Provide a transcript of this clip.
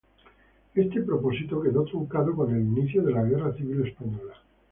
Este propósito quedó truncado con el inicio de la Guerra Civil Española.